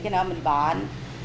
cái nợ mình bọn